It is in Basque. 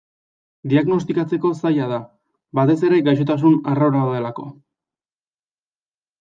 Diagnostikatzeko zaila da, batez ere gaixotasun arraroa delako.